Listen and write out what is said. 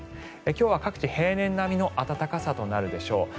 今日は各地、平年並みの暖かさとなるでしょう。